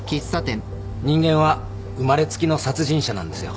人間は生まれつきの殺人者なんですよ。